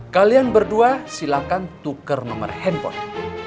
kalian berdua silahkan tukar nomor handphone